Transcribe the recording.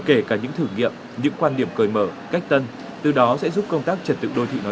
kể cả giải pháp cho thuê thu ký theo giờ